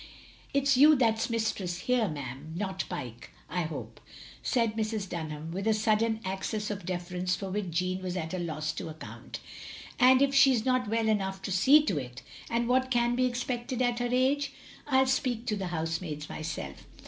" It 's you that 's mistress here, ma'am, not Pyke, I hope, " said Mrs. Dunham, with a sudden access of deference for which Jeanne was at a loss to account. " And if she 's not well enough to see to it — ^and what can be expected at her age? — I '11 speak to the housemaids myself.